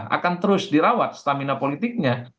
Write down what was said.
akan terus dirawat stamina politiknya